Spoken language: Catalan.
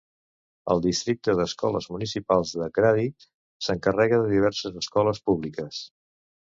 El districte d'escoles municipals de Grady s'encarrega de diverses escoles públiques.